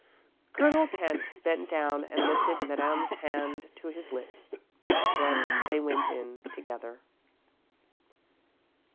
Colonel Kent bent down and lifted Madame's hand to his lips, then they went in together.